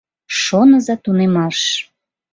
Шоныза тунемаш.